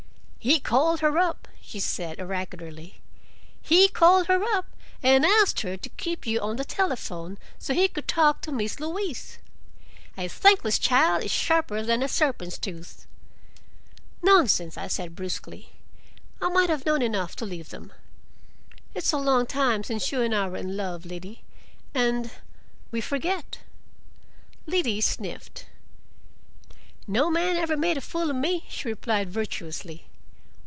"He called her up," she said oracularly, "he called her up, and asked her to keep you at the telephone, so he could talk to Miss Louise. A thankless child is sharper than a serpent's tooth" "Nonsense!" I said bruskly. "I might have known enough to leave them. It's a long time since you and I were in love, Liddy, and—we forget." Liddy sniffed. "No man ever made a fool of me," she replied virtuously.